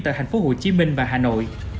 tại tp hcm và hà nội